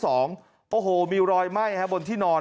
โอ้โหมีรอยไหม้บนที่นอน